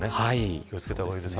気を付けたほうがいいです。